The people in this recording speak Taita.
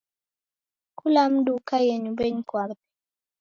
Kula mndu ukaie nyumbenyi kwape.